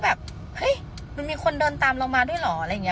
แบบเฮ้ยมันมีคนเดินตามเรามาด้วยเหรออะไรอย่างนี้